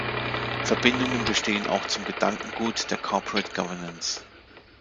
Verbindungen bestehen auch zum Gedankengut der Corporate Governance.